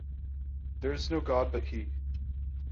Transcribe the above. There is no God but He.